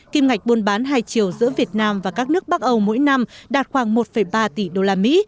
kim ngạch buôn bán hai triệu giữa việt nam và các nước bắc âu mỗi năm đạt khoảng một ba tỷ đô la mỹ